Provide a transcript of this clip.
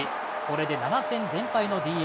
これで７戦全敗のＤｅＮＡ。